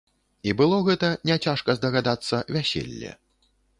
І было гэта, не цяжка здагадацца, вяселле.